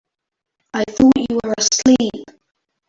I thought you were asleep.